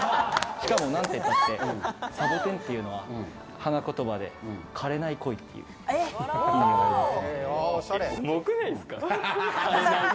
しかもなんて言ったって、サボテンっていうのは花言葉で、枯れない恋っていう意味があるんですよ。